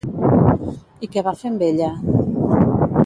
I què va fer amb ella?